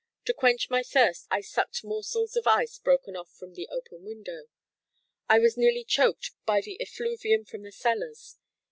To quench my thirst, I sucked morsels of ice broken off from the open window; I was nearly choked by the effluvium from the cellars.